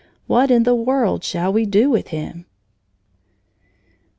What in the world shall we do with him?"